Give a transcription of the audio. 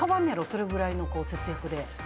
それぐらいの節約で。